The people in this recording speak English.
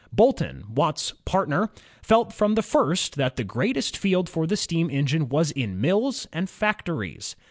Boulton, Watt's partner, felt from the first that the greatest field for the steam engine was in mills and fac tories.